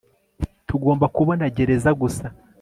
Tugomba kubona gereza gusa